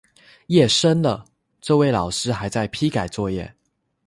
夜深了，这位老师还在批改作业